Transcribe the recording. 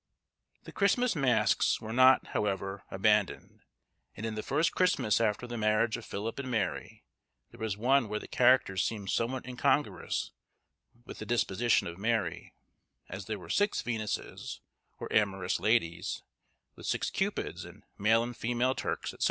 The Christmas masques were not, however, abandoned, and in the first Christmas after the marriage of Philip and Mary, there was one where the characters seem somewhat incongruous with the disposition of Mary, as there were six Venuses, or amorous ladies, with six cupids, and male and female Turks, &c.